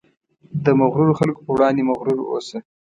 د مغرورو خلکو په وړاندې مغرور اوسه.